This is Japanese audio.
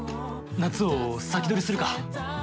夏を先取りするか。